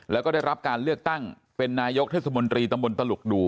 แล้วก็ได้รับการเลือกตั้งเป็นนายกเทศมนตรีตำบลตลุกดู